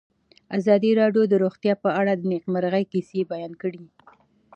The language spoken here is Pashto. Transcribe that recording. ازادي راډیو د روغتیا په اړه د نېکمرغۍ کیسې بیان کړې.